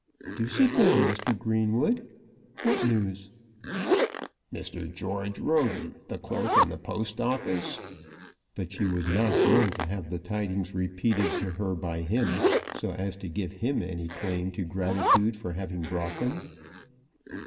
"Do sit down, Mr. Greenwood. What news?" "Mr. George Roden, the clerk in the Post Office " But she was not going to have the tidings repeated to her by him, so as to give him any claim to gratitude for having brought them.